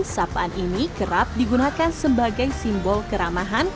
sapaan ini kerap digunakan sebagai simbol keramahan